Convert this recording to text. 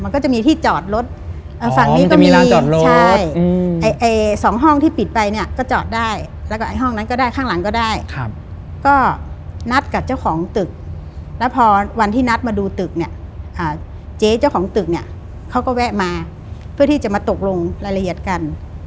เขาก็แวะมาวันที่จะมาตกลงรายละเอียดกัน